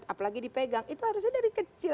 apalagi dipegang itu harusnya dari kecil